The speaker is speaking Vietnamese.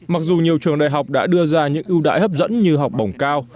mặc dù nhiều trường đại học đã đưa ra những ưu đãi hấp dẫn như học bổng cao